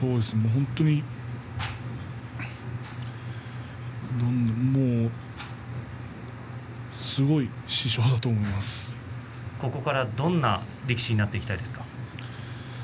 本当にもうここからはどんな力士になっていきたいですか？